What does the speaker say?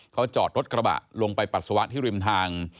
เขาจอดรถกระบะลงไปปัสสาวะที่ริมทาง